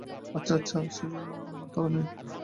আচ্ছা আচ্ছা, সেজন্যে আমার তাড়া নেই।